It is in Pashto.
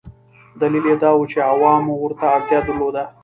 دلیل یې دا و چې عوامو ورته اړتیا درلوده.